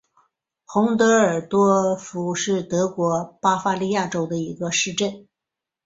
洪德尔多尔夫是德国巴伐利亚州的一个市镇。